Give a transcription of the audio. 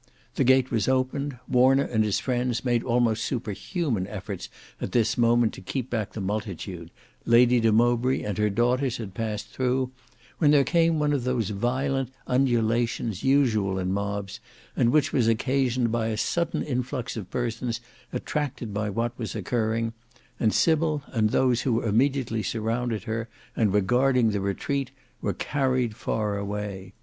The gate was opened, Warner and his friends made almost superhuman efforts at this moment to keep back the multitude, Lady de Mowbray and her daughters had passed through, when there came one of those violent undulations usual in mobs, and which was occasioned by a sudden influx of persons attracted by what was occurring, and Sybil and those who immediately surrounded her and were guarding the retreat were carried far away.